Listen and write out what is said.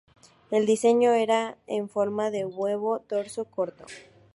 El diseño era, en forma de huevo torso corto.